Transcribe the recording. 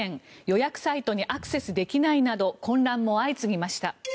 予約サイトにアクセスできないなど混乱も相次ぎました。